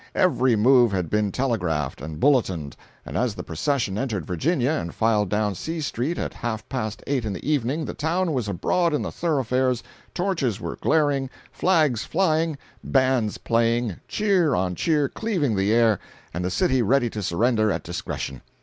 Every move had been telegraphed and bulletined, and as the procession entered Virginia and filed down C street at half past eight in the evening the town was abroad in the thoroughfares, torches were glaring, flags flying, bands playing, cheer on cheer cleaving the air, and the city ready to surrender at discretion.